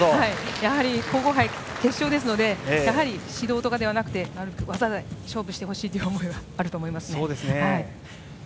やはり皇后杯の決勝ですので指導とかではなくて技で勝負してほしいという思いはあると思います。